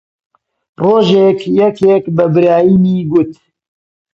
ڕۆژێک یەکێک بە برایمی گوت: